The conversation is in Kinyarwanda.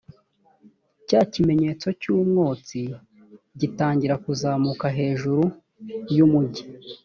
cya kimenyetso cy’umwotsi gitangira kuzamuka hejuru y’umugi